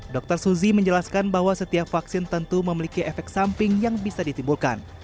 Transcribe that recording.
dr suzy menjelaskan bahwa setiap vaksin tentu memiliki efek samping yang bisa ditimbulkan